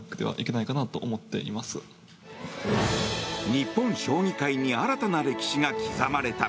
日本将棋界に新たな歴史が刻まれた。